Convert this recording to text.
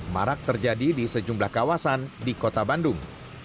marak terjadi di sejumlah kawasan di kota bandung